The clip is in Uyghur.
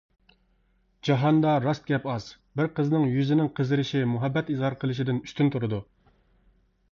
جاھاندا راست گەپ ئاز، بىر قىزنىڭ يۈزىنىڭ قىزىرىشى مۇھەببەت ئىزھار قىلىشىدىن ئۈستۈن تۇرىدۇ.